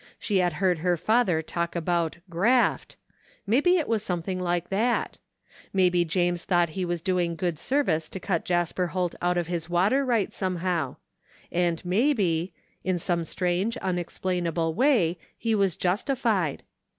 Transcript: She had heard her father talk about "graft"; maybe it was something like that Maybe James thought he was doing good service to cut Jasper Holt out of his water right somehow ; and maybe, in some strange unexplainable way, he was jus tified.